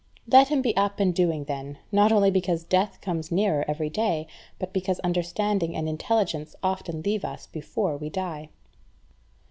Let him be up and doing then, not only because death comes nearer every day, but because understanding and intelligence often leave us before we die.